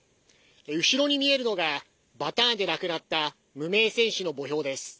後ろに見えるのがバターンで亡くなった無名戦士の墓標です。